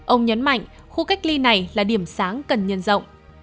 ông nhấn mạnh khu cách ly này là điểm sáng cần nhân rộng